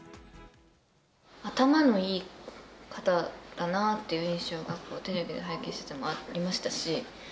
頭のいい方だなっていう印象がテレビで拝見しててもありましたし。